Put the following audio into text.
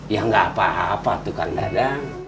ya gak apa apa tuh kang dadang